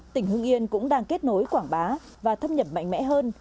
tỉnh hưng yên cũng đang kết nối quảng bá và thâm nhập mạnh mẽ hơn